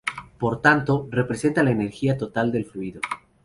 Por tanto, representa la energía total del fluido.